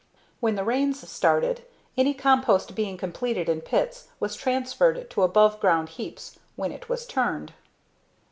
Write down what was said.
When the rains started, any compost being completed in pits was transferred to above ground heaps when it was turned.